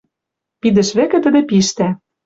Пидӹш вӹкӹ тӹдӹ пиштӓ